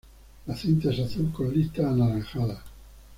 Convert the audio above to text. La cinta es azul con listas anaranjadas.